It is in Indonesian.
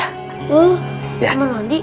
oh kamar mandi